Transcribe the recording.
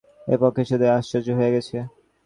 এ পক্ষে সুচরিতাও আশ্চর্য হইয়া গেছে।